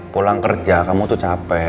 pulang kerja kamu tuh capek